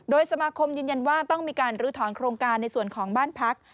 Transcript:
สมาคมยืนยันว่าต้องมีการลื้อถอนโครงการในส่วนของบ้านพัก